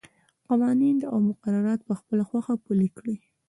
قوانین او مقررات په خپله خوښه پلي کړي.